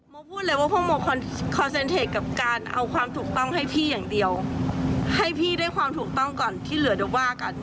พูดเลยว่าพวกโมคอนเซ็นเทคกับการเอาความถูกต้องให้พี่อย่างเดียวให้พี่ได้ความถูกต้องก่อนที่เหลือเดี๋ยวว่ากัน